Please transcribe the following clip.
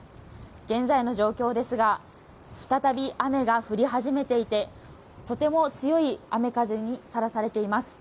現在の状況ですが再び雨が降り始めていてとても強い雨風にさらされています。